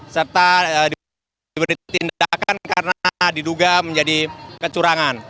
serta diberi tindakan karena diduga menjadi kecurangan